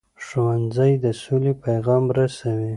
ښوونځی د سولې پیغام رسوي